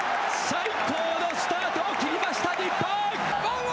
最高のスタートを切りました、日本。